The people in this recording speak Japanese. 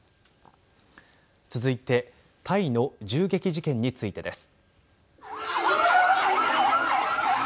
続いてタイの銃撃事件についてです。